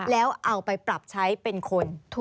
แล้วเอาไปปรับใช้เป็นคน